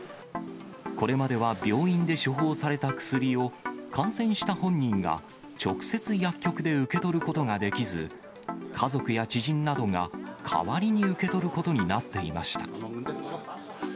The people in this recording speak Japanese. これまでは病院で処方された薬を、感染した本人が直接薬局で受け取ることができず、家族や知人などが代わりに受け取ることになっていました。